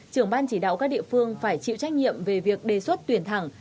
trưởng ban chỉ đạo các địa phương phải chịu trách nhiệm về việc đề xuất tuyển thẳng